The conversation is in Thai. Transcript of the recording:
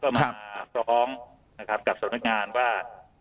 มาพร้อมกับสนักงานว่า